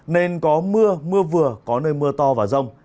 nên có mưa mưa vừa có nơi mưa to và rông